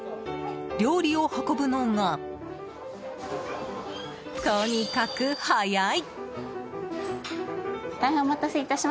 料理を運ぶのが、とにかく速い！